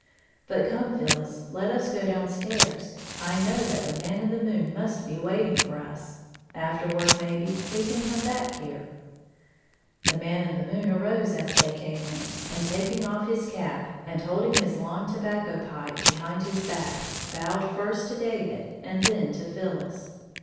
But, come, Phyllis, let us go down stairs. I know that the Man in the moon must be waiting for us. Afterward, maybe, we can come back here." The Man in the moon arose as they came in, and taking off his cap, and holding his long to i66 bacco pipe behind his back, bowed j&rst to David and then to Phyllis.